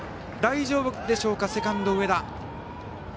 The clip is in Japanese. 大丈夫でしょうかセカンドの上田。